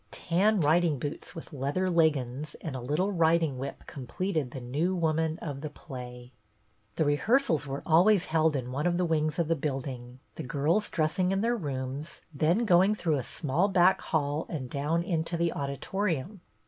Tan riding boots with leather leggins and a little riding whip completed The New Woman of the play. The rehearsals were always held in one of the wings of the building; the girls dress ing in their rooms, then going through a small back hall and down into the audito rium.